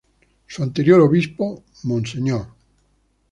Su anterior obispo Mons.